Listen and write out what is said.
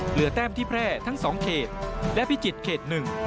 แต้มที่แพร่ทั้ง๒เขตและพิจิตรเขต๑